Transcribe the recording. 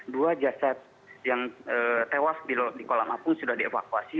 dua jasad yang tewas di kolam apung sudah dievakuasi